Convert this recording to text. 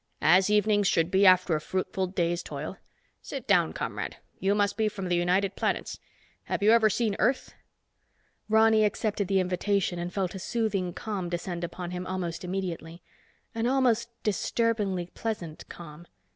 "As evenings should be after a fruitful day's toil. Sit down, comrade. You must be from the United Planets. Have you ever seen Earth?" Ronny accepted the invitation and felt a soothing calm descend upon him almost immediately. An almost disturbingly pleasant calm.